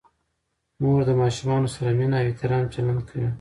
مور د ماشومانو سره مینه او احترام چلند کوي.